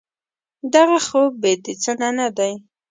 دغه خوب بې د څه نه دی.